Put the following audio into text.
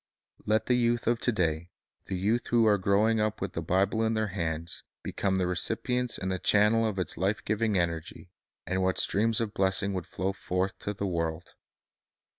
Let the youth of to day, the youth who are growing up with the Bible in their hands, become the recipients and the channels of its life giving energy, and what streams of blessing would flow forth to the world!